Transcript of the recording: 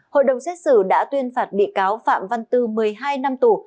hội đồng xét xử đã tuyên phạt bị cáo phạm văn tư một mươi hai năm tù